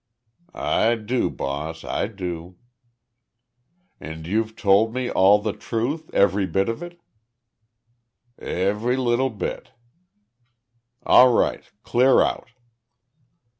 "I do, boss, I do." "And you've told me all the truth every bit of it?" "Every little bit." "All right. Clear out!"